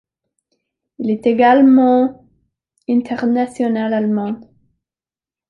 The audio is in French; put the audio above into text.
Il est également international allemand.